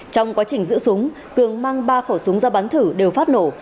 trong quá trình giữ súng cường mang ba khẩu súng ra bắn thử đều phát nổ